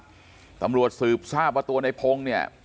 ตำรวจสืบทราบว่าตัวในพงศ์เนี่ย